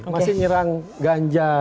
masih nyerang ganjar